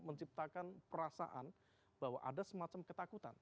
menciptakan perasaan bahwa ada semacam ketakutan